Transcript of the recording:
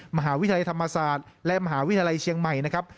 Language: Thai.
มหาวิทยาลัยธรรมศาสตร์และมหาวิทยาลัยเชียงใหม่นะครับ